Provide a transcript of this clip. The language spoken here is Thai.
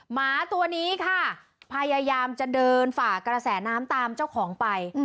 หมาตัวนี้ค่ะพยายามจะเดินฝ่ากระแสน้ำตามเจ้าของไป